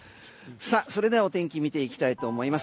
それではお天気見ていきたいと思います。